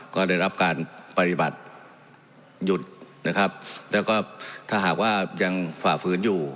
ก็ได้รับการปฏิบัติหยุดนะครับแล้วก็ถ้าหากว่ายังฝ่าฝืนอยู่